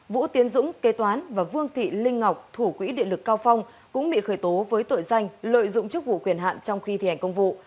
vũ tiến dũng kế toán và vương thị linh ngọc thủ quỹ điện lực cao phong cũng bị khởi tố với tội danh lợi dụng chức vụ quyền hạn trong khi thi hành công vụ